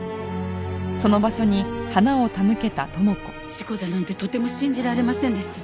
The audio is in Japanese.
事故だなんてとても信じられませんでした。